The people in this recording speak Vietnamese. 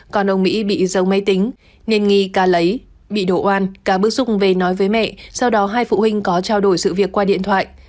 còn ông mỹ bị giấu máy tính nên nghi ca lấy bị đổ oan cả bức xúc về nói với mẹ sau đó hai phụ huynh có trao đổi sự việc qua điện thoại